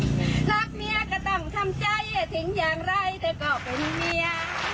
รักเมียก็ต้องทำใจถึงอย่างไรแต่ก็เป็นเมีย